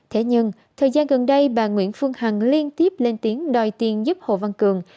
thế nhưng thời gian gần đây bà nguyễn phương hằng liên tiếp lên tiếng đòi tiền giúp hồ văn cường